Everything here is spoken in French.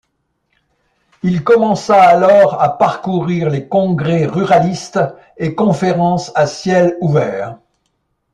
Il commença alors à parcourir les congrès ruralistes et conférences à ciel ouvert.